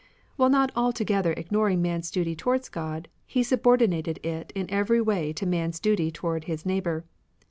While not altogether ignoring man's duty towards God, he subordinated it in every way to man's duty towards his neighbour.